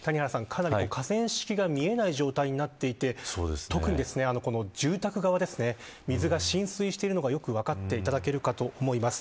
河川敷が見えない状態になっていて、特に住宅側水が浸水しているのがよく分かっていただけるかと思います。